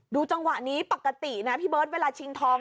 จังหวะนี้ปกตินะพี่เบิร์ตเวลาชิงทอง